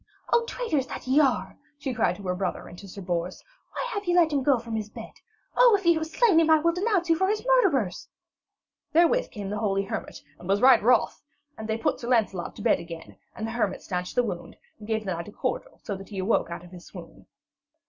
'O traitors that ye are,' she cried to her brother and to Sir Bors, 'why have ye let him go from his bed? Oh, if ye have slain him I will denounce you for his murderers.' Therewith came the holy hermit and was right wroth, and they put Sir Lancelot to bed again, and the hermit stanched the wound and gave the knight a cordial, so that he awoke out of his swoon.